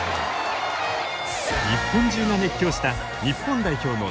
日本中が熱狂した日本代表の初戦。